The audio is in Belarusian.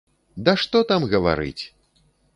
Да што там гаварыць!